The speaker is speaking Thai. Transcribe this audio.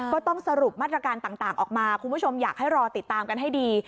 ก็ต้องสรุปมาตรการต่างออกมาคุณผู้ชมอยากให้รอติดตามกันให้ดี